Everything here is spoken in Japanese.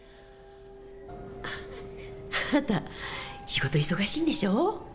あなた仕事忙しいんでしょう。